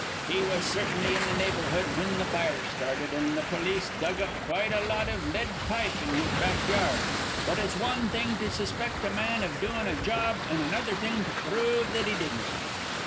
He was certainly in th' neighborhood whin th' fire started, an' th' polis dug up quite a lot iv lead pipe in his back yard. But it's wan thing to sus pect a man iv doin' a job an' another thing to prove that he didn't.